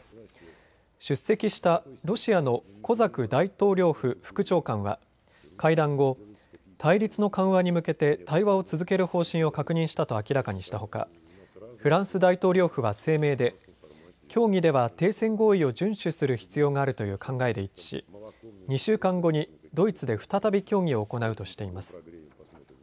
出席したロシアのコザク大統領府副長官は会談後、対立の緩和に向けて対話を続ける方針を確認したと明らかにしたほかフランス大統領府は声明で協議では停戦合意を順守する必要があるという考えで一致し２週間後にドイツで再び協議を行うとしています。